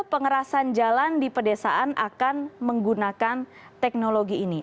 pengerasan jalan di pedesaan akan menggunakan teknologi ini